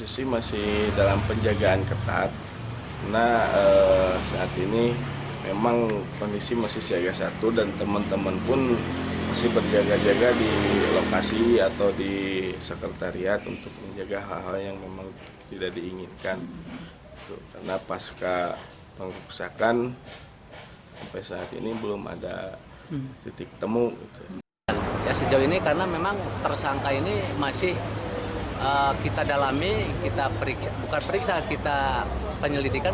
sejauh ini karena memang tersangka ini masih kita dalami kita periksa bukan periksa kita penyelidikan